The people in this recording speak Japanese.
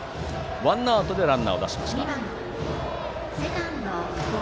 ワンアウトでランナーを出しました。